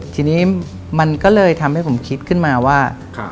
ทีนี้มันก็เลยทำให้ผมคิดขึ้นมาว่า